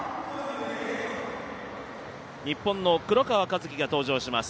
日本の黒川和樹が登場します。